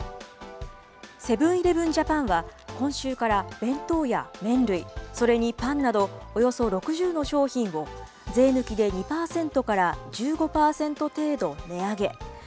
セブン−イレブン・ジャパンは、今週から弁当や麺類、それにパンなどおよそ６０の商品を、税抜きで２％から１５％程度値上げ。